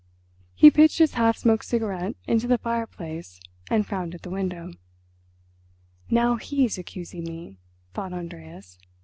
He pitched his half smoked cigarette into the fireplace and frowned at the window. "Now he's accusing me," thought Andreas.